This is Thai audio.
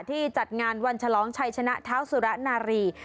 จัดงานวันฉลองชัยชนะเท้าสุระนารี